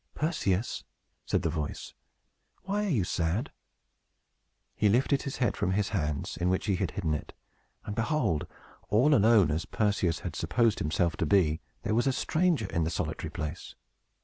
"Perseus," said the voice, "why are you sad?" He lifted his head from his hands, in which he had hidden it, and, behold! all alone as Perseus had supposed himself to be, there was a stranger in the solitary place.